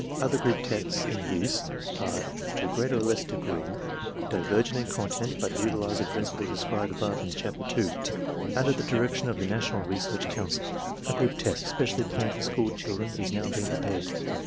Other group tests in use are to greater or less degree divergent in content but utilize the principles described above in Chapter II. Under the direction of the National Research Council, a group test especially planned for school children is now being prepared.